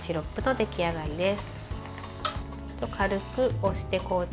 出来上がりです。